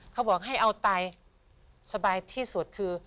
เขาบอกให้เอาตายสบายที่สุดคือ